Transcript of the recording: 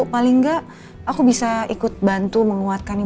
paling enggak aku bisa ikut bantu menguatkan ibu